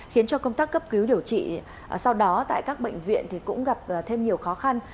khiến cho công tác cấp cứu điều trị sau đó tại các bệnh viện cũng gặp thêm nhiều khó khăn